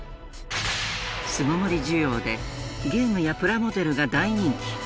巣ごもり需要でゲームやプラモデルが大人気。